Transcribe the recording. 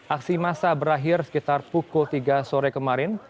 aksi masa berakhir sekitar pukul tiga sore kemarin